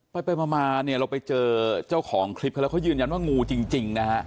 ไปมาเราไปเจอเจ้าของคลิปแล้วเขายืนยันว่างงูจริงนะ